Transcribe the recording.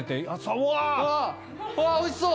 うわぁおいしそう！